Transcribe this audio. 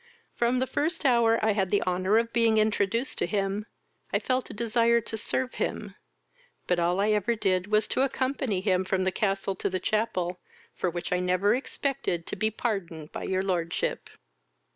From the first hour I had the honour of being introduced to him, I felt a desire to serve him; but all I ever did was to accompany him from the castle to the chapel, for which I never expected to be pardoned by your lordship."